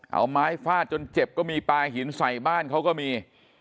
เอาไม้ฟาดจนเจ็บก็มีปลาหินใส่บ้านเขาก็มี